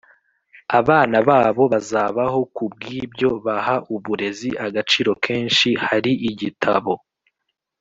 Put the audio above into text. abana babo bazabaho Ku bw ibyo baha uburezi agaciro kenshi Hari igitabo